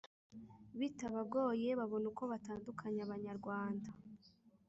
bitabagoye babona uko batandukanya abanyarwanda.